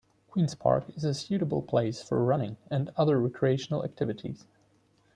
Queens Park is a suitable place for running and other recreational activities.